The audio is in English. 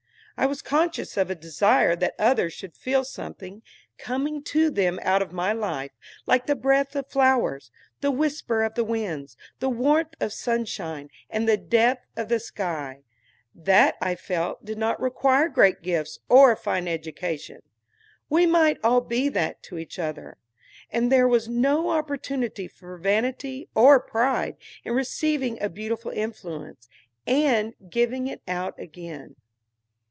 I was conscious of a desire that others should feel something coming to them out of my life like the breath of flowers, the whisper of the winds, the warmth of the sunshine, and the depth of the sky. That, I felt, did not require great gifts or a fine education. We might all be that to each other. And there was no opportunity for vanity or pride in receiving a beautiful influence, and giving it out again.